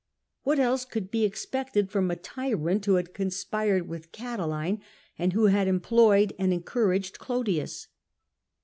What else could be expected from a tyrant who had conspired with Catiline, and who had employed and encouraged Olodius